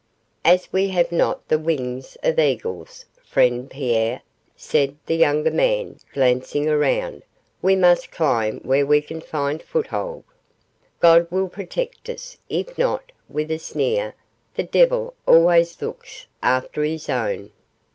'As we have not the wings of eagles, friend Pierre,' said the younger man, glancing around, 'we must climb where we can find foothold. God will protect us; if not,' with a sneer, 'the Devil always looks after his own.